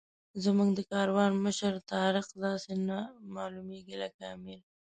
زموږ د کاروان مشر طارق داسې نه معلومېږي لکه امیر.